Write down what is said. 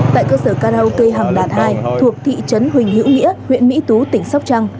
tại cơ sở karaoke hàng đạt hai thuộc thị trấn huỳnh hữu nghĩa huyện mỹ tú tỉnh sóc trăng